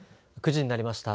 ９時になりました。